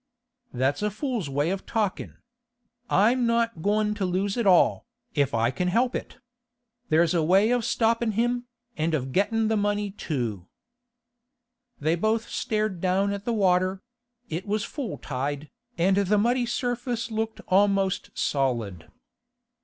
'That's a fool's way of talkin'. I'm not goin' to lose it all, if I can help it. There's a way of stoppin' him, and of gettin' the money too.' They both stared down at the water; it was full tide, and the muddy surface looked almost solid.